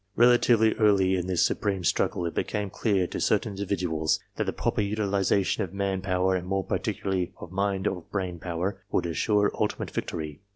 Relatively early in this supreme struggle, it became clear to certain individuals that the proper utilization of man power, and more particularly of mind or brain power, would assure ultimate victory.